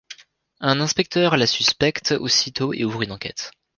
Un inspecteur la suspecte aussitôt et ouvre une enquête.